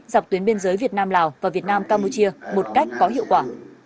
dọc tuyến biên giới việt nam lào và việt nam campuchia một cách có hiệu quả